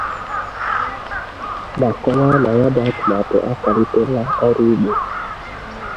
ma kọwaa na ya bụ atụmatụ akwalitela ọrụ ugbo